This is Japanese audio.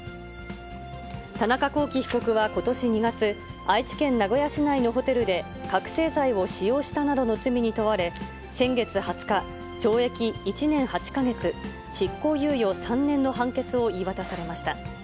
田中聖被告はことし２月、愛知県名古屋市内のホテルで覚醒剤を使用したなどの罪に問われ、先月２０日、懲役１年８か月、執行猶予３年の判決を言い渡されました。